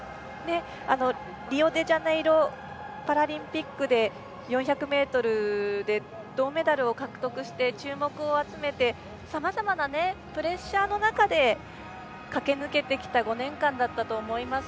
リオデジャネイロパラリンピックで４００ｍで銅メダルを獲得して注目を集めてさまざまなプレッシャーの中で駆け抜けてきた５年間だったと思います。